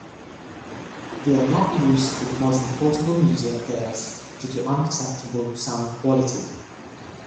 They are not used with modern portable media players due to unacceptable sound quality.